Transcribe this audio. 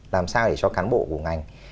làm sao để cho cán bộ của ngành